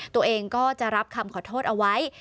ตัวเองก็จะรับคำขอโทษเอาไว้